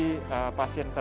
untuk menghasilkan kesehatan